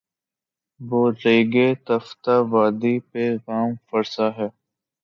وہ ریگِ تفتۂ وادی پہ گام فرسا ہے